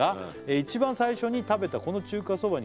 「一番最初に食べたこの中華そばに」